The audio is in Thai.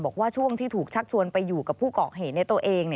บอกว่าช่วงที่ถูกชักชวนไปอยู่กับผู้เกาะเหตุในตัวเอง